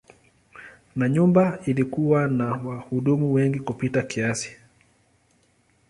Na nyumba ilikuwa na wahudumu wengi kupita kiasi.